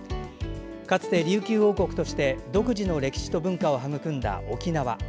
かつて、琉球王国として独自の歴史と文化を育んだ沖縄。